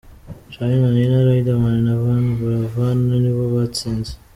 Charly na Nina, Riderman na Yvan Buravan nibo batsinze